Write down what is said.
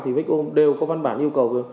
thì vconm đều có văn bản yêu cầu